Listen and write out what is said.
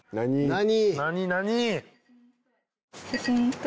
何何？